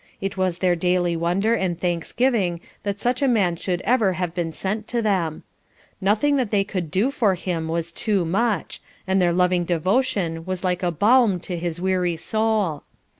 It was their daily wonder and thanksgiving that such a man should ever have been sent to them. Nothing that they could do for him was too much, and their loving devotion was like balm to his weary soul.